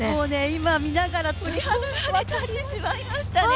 今、見ながら鳥肌が立ってしまいましたね。